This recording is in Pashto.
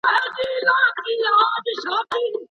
په نکاح کي دقت کول د شريعت حکم دی.